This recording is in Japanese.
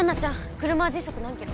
車は時速何キロ？